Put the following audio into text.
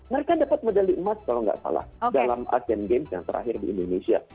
mereka dapat medali emas kalau nggak salah dalam asean games yang terakhir di indonesia